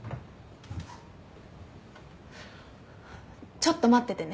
ちょっと待っててね。